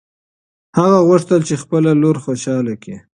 هغه غوښتل چې خپله لور خوشحاله کړي.